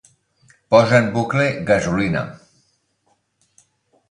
Posa en bucle "Gasolina".